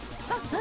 何？